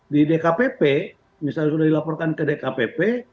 di dkpp misalnya sudah dilaporkan ke dkpp